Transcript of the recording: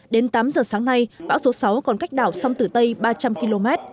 đến tám giờ sáng nay bão số sáu còn cách đảo sông tử tây ba trăm linh km